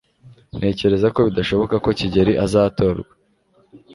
Ntekereza ko bidashoboka ko Kigeri azatorwa.